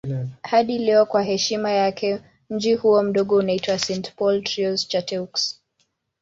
Hadi leo kwa heshima yake mji huo mdogo unaitwa St. Paul Trois-Chateaux.